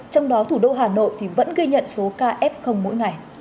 trong đó thủ đô hà nội vẫn gây nhận số kf mỗi ngày